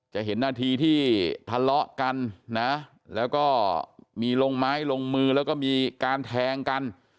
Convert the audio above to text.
จะเห็นนาทีที่ทะเลาะกันนะแล้วก็มีลงไม้ลงมือแล้วก็มีการแทงกัน